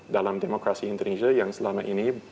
dalam demokrasi indonesia yang selama ini